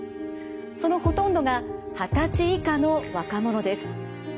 そのほとんどが二十歳以下の若者です。